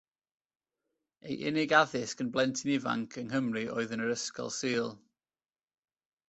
Ei unig addysg yn blentyn ifanc yng Nghymru oedd yn yr Ysgol Sul.